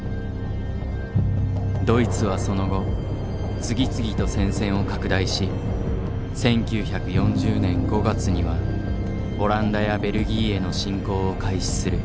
ドイツはその後次々と戦線を拡大し１９４０年５月にはオランダやベルギーへの侵攻を開始する。